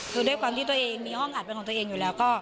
คือด้วยความที่ตัวเองมีห้องอัดเป็นของตัวเองอยู่แล้วก็